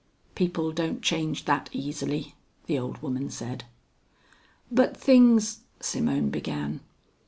"People don't change that easily," the old woman said. "But things " Simone began.